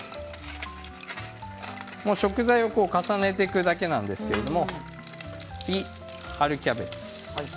食材を重ねていくだけなんですけども次、春キャベツ。